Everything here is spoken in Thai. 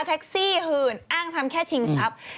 แท็คซี่อ้างทำแค่ชิงสัพ